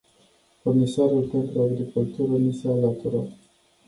Comisarul pentru agricultură ni se alătură.